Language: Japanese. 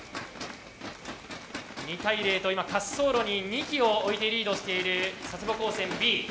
２対０と今滑走路に２機を置いてリードしている佐世保高専Ｂ。